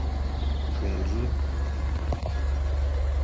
Mcuŋdzʉ́.